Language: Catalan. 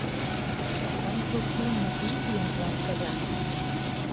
Vam sortir un matí i ens vam casar.